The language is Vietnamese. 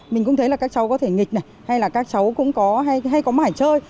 mình cũng thấy là các cháu có thể nghịch này hay là các cháu cũng có hay có mải chơi